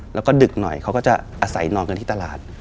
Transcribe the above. แล้วก็ดึกหน่อยเขาก็จะอาศัยนอนกันที่ตลาด